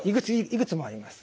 いくつもあります。